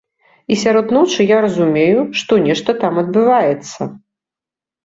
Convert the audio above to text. І сярод ночы я разумею, што нешта там адбываецца.